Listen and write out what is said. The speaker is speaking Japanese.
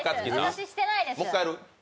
私してないです。